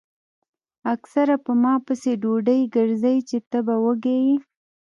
اکثر پۀ ما پسې ډوډۍ ګرځئ چې تۀ به وږے ئې ـ